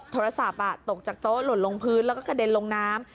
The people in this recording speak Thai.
โทรศัพท์ตกจากโต๊ะหล่นลงพื้นแล้วก็กระเด็นลงน้ำ